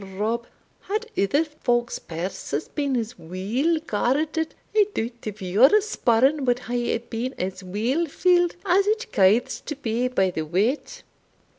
Rob, had ither folk's purses been as weel guarded, I doubt if your sporran wad hae been as weel filled as it kythes to be by the weight."